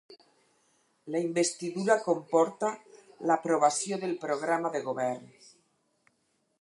La investidura comporta l’aprovació del programa de govern.